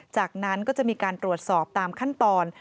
จากนั้นก็จะมีการตรวจสอบตามขั้นตอน